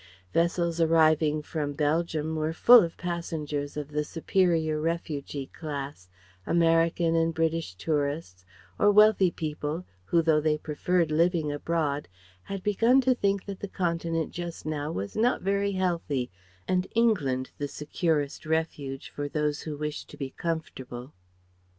Vessels arriving from Belgium were full of passengers of the superior refugee class, American and British tourists, or wealthy people who though they preferred living abroad had begun to think that the Continent just now was not very healthy and England the securest refuge for those who wished to be comfortable.